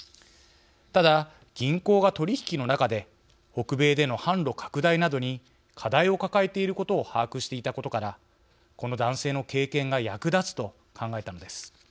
ただ、銀行が取り引きの中で北米での販路拡大などに課題を抱えていることを把握していたことからこの男性の経験が役立つと考えたのです。